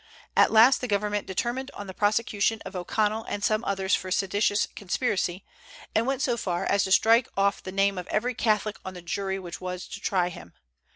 At last the government determined on the prosecution of O'Connell and some others for seditious conspiracy, and went so far as to strike off the name of every Catholic on the jury which was to try him.